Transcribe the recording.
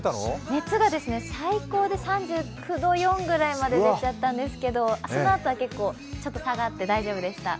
熱が最高で３９度４ぐらいまで出ちゃったんですけど、そのあとは結構、ちゃんと下がって大丈夫でした。